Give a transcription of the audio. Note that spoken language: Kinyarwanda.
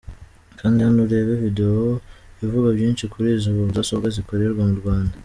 Kanda hano urebe video ivuga byinshi kuri izo mudasobwa zikorerwa mu Rwanda.